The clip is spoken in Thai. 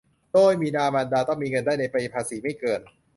โดยบิดามารดาต้องมีเงินได้ในปีภาษีไม่เกิน